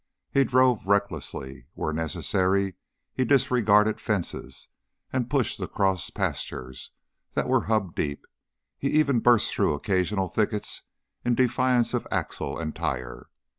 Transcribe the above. He drove recklessly; where necessary he disregarded fences and pushed across pastures that were hub deep; he even burst through occasional thickets in defiance of axle and tire.